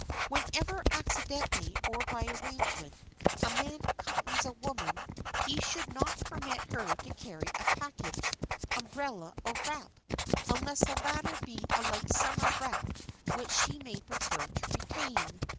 Whenever accidentally or by arrangement, a man accompanies a woman he should not permit her to carry a package, umbrella or wrap, unless the latter be a light summer wrap which she may prefer to retain.